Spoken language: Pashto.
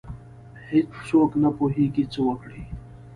هیڅ څوک نه پوهیږي څه وکړي.